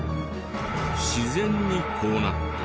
自然にこうなった？